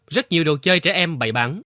rất nhiều đồ chơi trẻ em bày bán